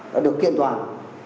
đã được kiện toàn